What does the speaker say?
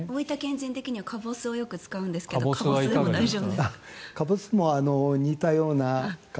人的にはカボスをよく使うんですがカボスでも大丈夫ですか？